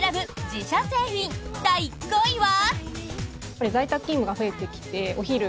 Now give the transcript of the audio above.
自社製品第５位は。